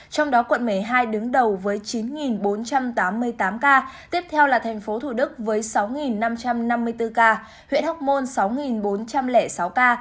trong đó quận một mươi hai đứng đầu với chín bốn trăm tám mươi tám ca tiếp theo là thành phố thủ đức với sáu năm trăm năm mươi bốn ca huyện hóc môn sáu bốn trăm linh sáu ca